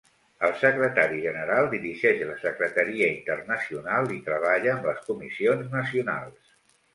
El Secretari General dirigeix la Secretaria Internacional i treballa amb les comissions nacionals.